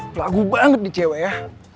pelagu banget nih cewek ya